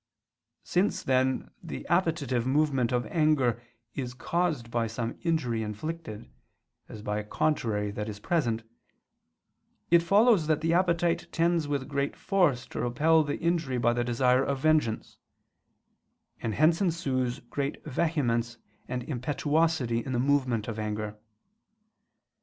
Since then the appetitive movement of anger is caused by some injury inflicted, as by a contrary that is present; it follows that the appetite tends with great force to repel the injury by the desire of vengeance; and hence ensues great vehemence and impetuosity in the movement of anger.